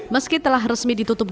meski telah resmi ditutupi